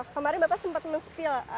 kemarin bapak sempat men spill